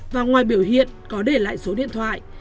và ngoài biểu hiện có để lại số điện thoại